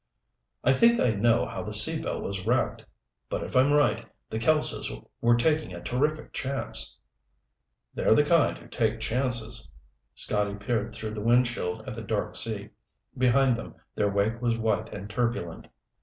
"I think I know how the Sea Belle was wrecked. But if I'm right, the Kelsos were taking a terrific chance." "They're the kind who take chances." Scotty peered through the windshield at the dark sea. Behind them, their wake was white and turbulent.